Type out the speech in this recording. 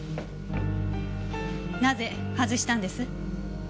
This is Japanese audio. なぜ外したんです？